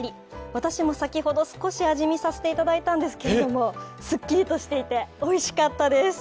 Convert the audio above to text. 私も先ほど少し味見させていただいたんですけれどもすっきりとしていて、おいしかったです。